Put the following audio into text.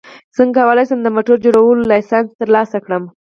څنګه کولی شم د موټر چلولو لایسنس ترلاسه کړم